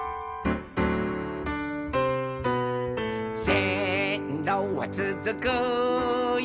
「せんろはつづくよ